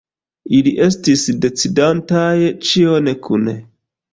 Ili estis decidantaj ĉion kune.